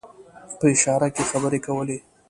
په اشاره کې خبرې کولې.